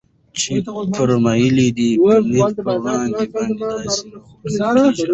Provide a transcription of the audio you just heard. چي فرمايل ئې: فتنې پر زړونو باندي داسي راوړاندي كېږي